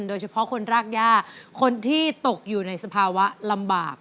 โดยเฉพาะคนรากย่าคนที่ตกอยู่ในสภาวะลำบาก